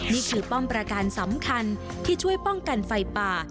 นี่คือป้องประกันสำคัญที่ช่วยป้องกันไฟป่า